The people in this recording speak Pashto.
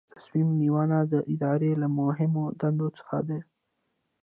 تصمیم نیونه د ادارې له مهمو دندو څخه ده.